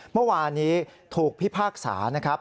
เมื่อวานนี้ถูกพิพากษานะครับ